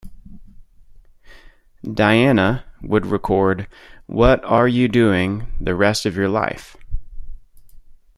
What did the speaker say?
Diana would record What Are You Doing the Rest of Your Life?